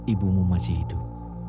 ibumu masih hidup